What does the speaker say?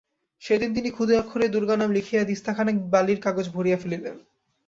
সেদিন তিনি খুদে অক্ষরে দুর্গানাম লিখিয়া দিস্তাখানেক বালির কাগজ ভরিয়া ফেলিলেন।